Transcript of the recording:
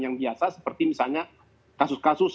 yang biasa seperti misalnya kasus kasus